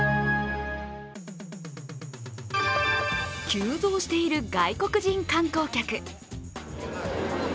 急増している外国人観光客。